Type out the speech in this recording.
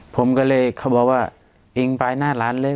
ผมก็เลยเขาบอกว่ายิงไปหน้าร้านเลย